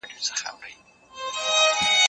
زه اوږده وخت بوټونه پاکوم!.